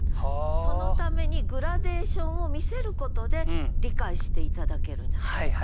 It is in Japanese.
そのためにグラデーションを見せることで理解して頂けるんじゃないか。